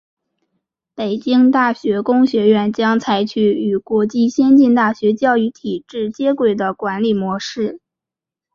北京大学工学院将采取与国际先进大学教育体制接轨的管理模式。